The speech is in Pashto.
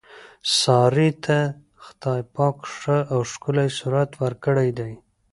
سارې ته خدای پاک ښه او ښکلی صورت ورکړی دی.